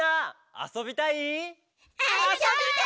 「あそびたい！」